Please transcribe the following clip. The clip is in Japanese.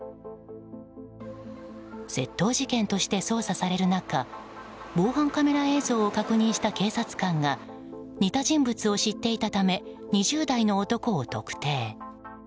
窃盗事件として捜査される中防犯カメラ映像を確認した警察官が似た人物を知っていたため２０代の男を特定。